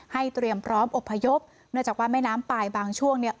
เตรียมพร้อมอบพยพเนื่องจากว่าแม่น้ำปลายบางช่วงเนี่ย